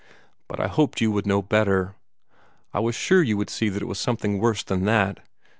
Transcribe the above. But I hoped you would know better. I was sure you would see that it was something worse than that.